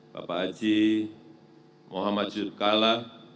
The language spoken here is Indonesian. bapak haji muhammad yudhkala